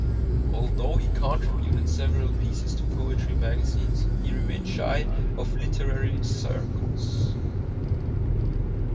Although he contributed several pieces to poetry magazines, he remained shy of literary circles.